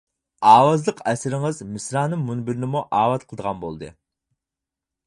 ئاۋازلىق ئەسەرلىرىڭىز مىسرانىم مۇنبىرىنىمۇ ئاۋات قىلىدىغان بولدى.